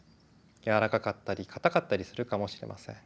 やわらかかったり硬かったりするかもしれません。